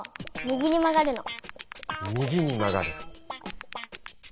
右にまがる。